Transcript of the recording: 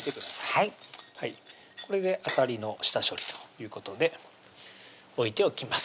はいこれであさりの下処理ということで置いておきます